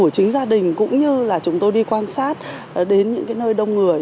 chính gia đình cũng như là chúng tôi đi quan sát đến những nơi đông người